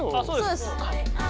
そうです。